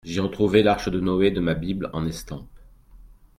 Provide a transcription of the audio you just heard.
J’y retrouvais l’arche de Noé de ma Bible en estampes.